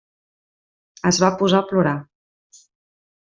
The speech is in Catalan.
Es va posar a plorar.